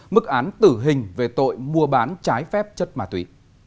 mức án tử hình về tội mua bán trái phép chất ma túy